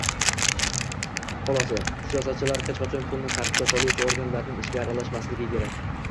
Xulosa: Siyosatchilar hech qachon pulni tartibga soluvchi organlarning ishiga aralashmasligi kerak